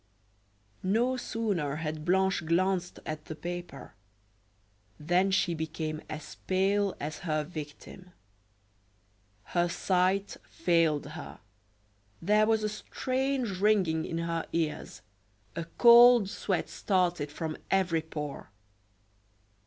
No sooner had Blanche glanced at the paper, than she became as pale as her victim. Her sight failed her; there was a strange ringing in her ears, a cold sweat started from every pore.